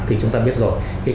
thì chúng ta biết rồi